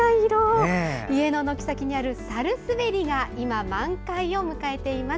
家の軒先にあるサルスベリが今、満開を迎えています。